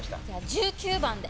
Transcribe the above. １９番で。